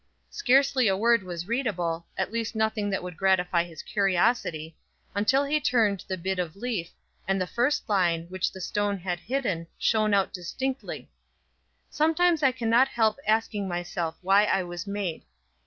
Scarcely a word was readable, at least nothing that would gratify his curiosity, until he turned the bit of leaf, and the first line, which the stone had hidden, shone out distinctly: "Sometimes I can not help asking myself why I was made